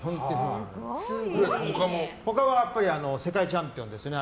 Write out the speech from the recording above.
他は世界チャンピオンですね。